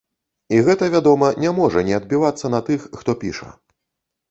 І гэта, вядома, не можа не адбівацца на тых, хто піша.